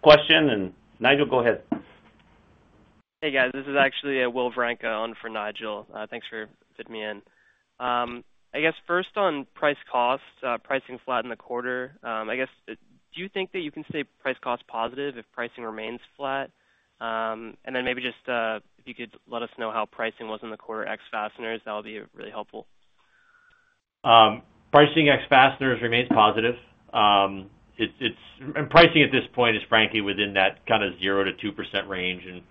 question. And Nigel, go ahead. Hey, guys. This is actually Will Vranka on for Nigel. Thanks for fitting me in. I guess first on price-cost, pricing flat in the quarter. I guess, do you think that you can stay price-cost positive if pricing remains flat? And then maybe just, if you could let us know how pricing was in the quarter ex-Fasteners. That would be really helpful. Pricing ex-Fasteners remains positive. It's and pricing at this point is, frankly, within that kinda 0%-2% range. And,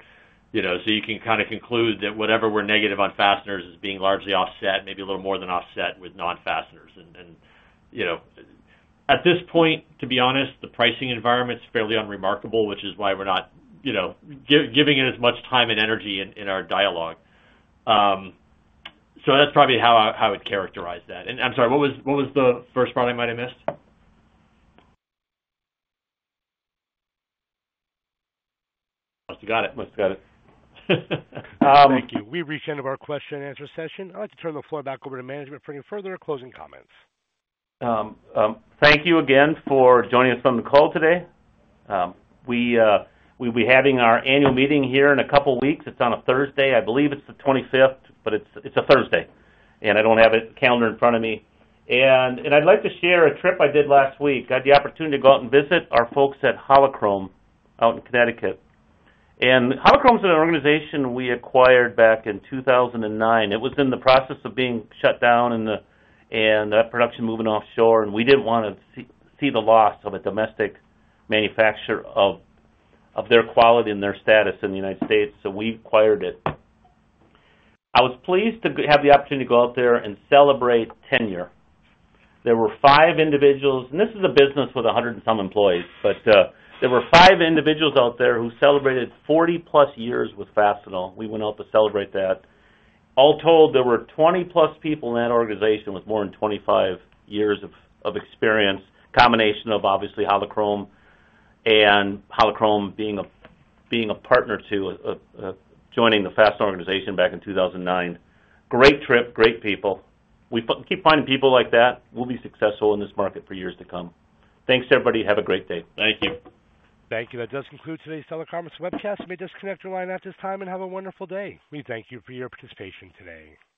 you know, so you can kinda conclude that whatever we're negative on Fasteners is being largely offset, maybe a little more than offset with non-Fasteners. And, you know, at this point, to be honest, the pricing environment's fairly unremarkable, which is why we're not, you know, giving it as much time and energy in our dialogue. So that's probably how I would characterize that. And I'm sorry. What was the first part I might have missed? Got it. Got it. Thank you. We've reached the end of our question-and-answer session. I'd like to turn the floor back over to management for any further or closing comments. Thank you again for joining us on the call today. We'll be having our annual meeting here in a couple of weeks. It's on a Thursday. I believe it's the 25th, but it's a Thursday. And I don't have my calendar in front of me. And I'd like to share a trip I did last week. I had the opportunity to go out and visit our folks at Holo-Krome out in Connecticut. And Holo-Krome's an organization we acquired back in 2009. It was in the process of being shut down and that production moving offshore. And we didn't wanna see the loss of a domestic manufacturer of their quality and their status in the United States. So we acquired it. I was pleased to have the opportunity to go out there and celebrate tenure. There were five individuals and this is a business with 100 and some employees. But, there were five individuals out there who celebrated 40+ years with Fastenal. We went out to celebrate that. All told, there were 20+ people in that organization with more than 25 years of experience, combination of, obviously, Holo-Krome and Holo-Krome being a partner to, joining the Fastenal organization back in 2009. Great trip. Great people. We keep finding people like that. We'll be successful in this market for years to come. Thanks, everybody. Have a great day. Thank you. Thank you. That does conclude today's teleconference webcast. You may disconnect your line at this time and have a wonderful day. We thank you for your participation today.